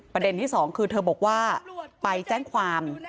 ประเด็นที่๒คือเธอบอกว่า